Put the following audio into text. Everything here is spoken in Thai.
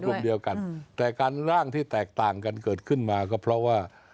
กลุ่มเดียวกันแต่การร่างที่แตกต่างกันเกิดขึ้นมาก็เพราะว่า